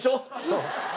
そう。